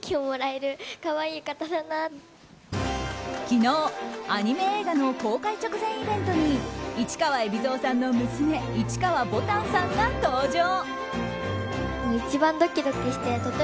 昨日、アニメ映画の公開直前イベントに市川海老蔵さんの娘市川ぼたんさんが登場。